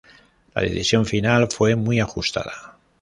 La decisión final fue muy ajustada.